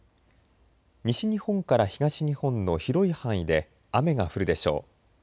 西日本から東日本の広い範囲で雨が降るでしょう。